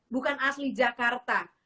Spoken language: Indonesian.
bukan asli jakarta